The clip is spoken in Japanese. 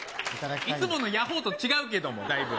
いつものやほーと違うけども、だいぶ。